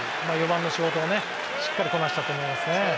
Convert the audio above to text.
４番の仕事をしっかりこなしたと思いますね。